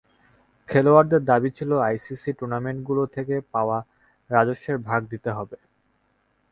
খেলোয়াড়দের দাবি ছিল, আইসিসির টুর্নামেন্টগুলো থেকে পাওয়া রাজস্বের ভাগ দিতে হবে।